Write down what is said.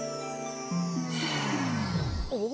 おっ？